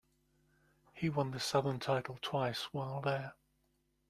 He won the Southern Title twice while there.